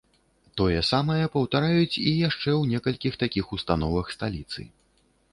Тое самае паўтараюць і яшчэ ў некалькіх такіх установах сталіцы.